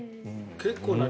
結構な量。